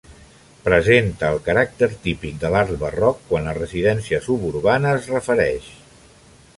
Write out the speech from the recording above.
Presenta el caràcter típic de l'art barroc quant a residència suburbana es refereix.